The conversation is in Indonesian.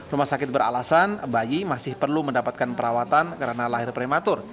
rumah sakit beralasan bayi masih perlu mendapatkan perawatan karena lahir prematur